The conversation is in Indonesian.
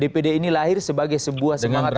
lihat bahwa dpd ini lahir sebagai sebuah semangat informasi